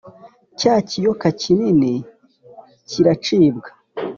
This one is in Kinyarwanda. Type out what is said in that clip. Cya kiyoka kinini kiracibwa,